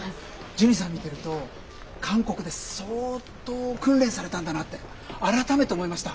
ジュニさん見てると韓国で相当訓練されたんだなって改めて思いました。